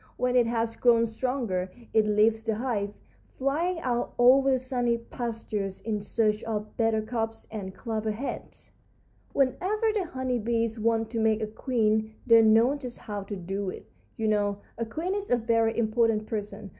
When it has grown stronger it leaves the hive, flying out over the sunny pastures in search of buttercups and clover heads. "Whenever the honey bees want to make a queen they know just how to do it. You know, a queen is a very important person.